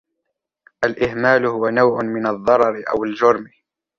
الإهمال هو نوع من الضرر أو الجرم